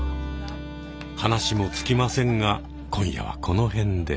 話も尽きませんが今夜はこの辺で。